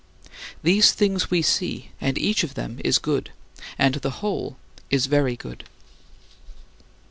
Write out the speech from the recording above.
These things we see, and each of them is good; and the whole is very good!